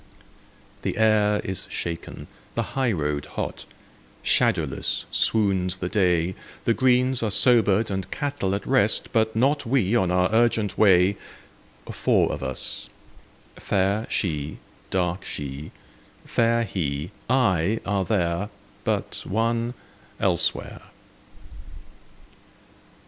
The air is shaken, the high road hot, Shadowless swoons the day, The greens are sobered and cattle at rest; but not We on our urgent way,— Four of us; fair She, dark She, fair He, I, are there, But one—elsewhere.